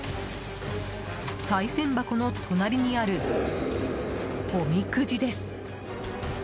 さい銭箱の隣にあるおみくじです。